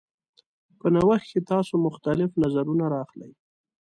په نوښت کې تاسو مختلف نظرونه راخلئ.